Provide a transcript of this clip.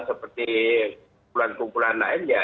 seperti bulan bulan lain ya